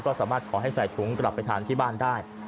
ก็สามารถขอให้ใส่ถุงกลับไปทานที่บ้านได้